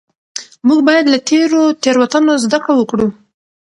موږ باید له تیرو تېروتنو زده کړه وکړو.